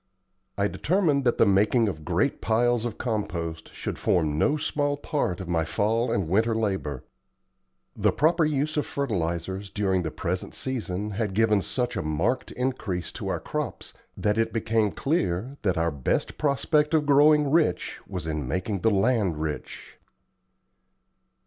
I determined that the making of great piles of compost should form no small part of my fall and winter labor. The proper use of fertilizers during the present season had given such a marked increase to our crops that it became clear that our best prospect of growing rich was in making the land rich.